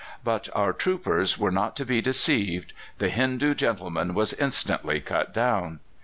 But our troopers were not to be deceived: the Hindoo gentleman was instantly cut down.